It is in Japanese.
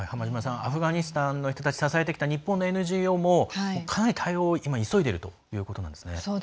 アフガニスタンの人たちを支えてきた日本のＮＧＯもかなり対応、急いでいるということなんですね。